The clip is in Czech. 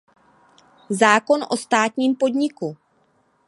zákon o státním podniku